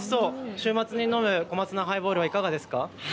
週末に飲む小松菜ハイボールいかがですか。